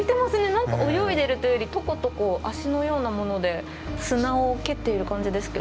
泳いでるというよりトコトコ脚のようなもので砂を蹴っている感じですけど。